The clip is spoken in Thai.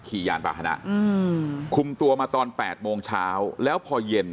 ขี่ยานปราฮณะอืมคุมตัวมาตอนแปดโมงเช้าแล้วพอเย็น